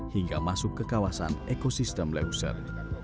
hingga masuk ke kawasan ekosistem leuser